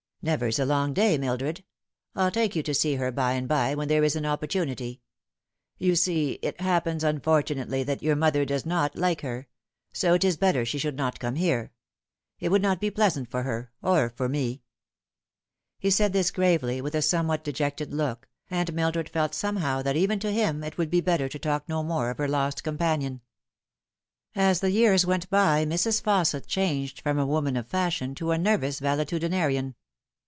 " Never's a long day, Mildred. I'll take you to see her by and by when there is an opportunity. You see, it happens unfortunately that your mother does not like her, so it is better she should not come here. It would not be pleasant for her > or for me." He said this gravely, with a somewhat dejected look, and Mildred felt somehow that even to him it would be better to talk no more of her lost companion. As the years went by Mrs. Fausset changed from a woman of fashion to a nervous valetudinarian.